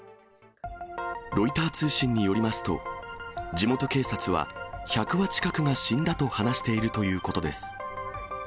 ロイター通信によりますと、地元警察は、１００羽近くが死んだと話しているということです。